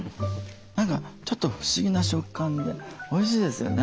何かちょっと不思議な食感でおいしいですよね。